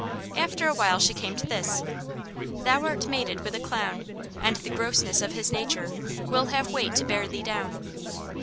After a while she came to this: "Thou are mated with a clown, And the grossness of his nature, will have weight to bear thee down."